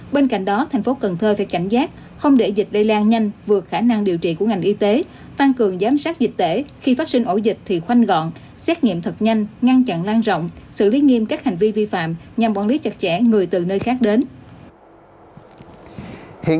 bên cạnh đó thành phố cần thơ phải cảnh giác không để dịch lây lan nhanh vượt khả năng điều trị của ngành y tế tăng cường giám sát dịch tễ khi phát sinh ổ dịch thì khoanh gọn xét nghiệm thật nhanh ngăn chặn lan rộng xử lý nghiêm các hành vi vi phạm nhằm quản lý chặt chẽ người từ nơi khác đến